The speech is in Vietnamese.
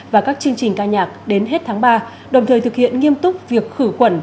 và các chương trình ca nhạc đến hết tháng ba đồng thời thực hiện nghiêm túc việc khử khuẩn